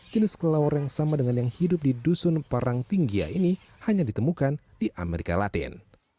kini kelelawar yang sama dengan yang hidup di dusun parang tinggia ini hanya ditemukan di amerika latin